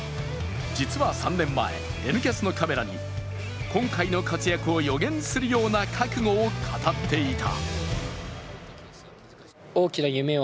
実は３年前、「Ｎキャス」のカメラに今回の活躍を予言するような覚悟を語っていた。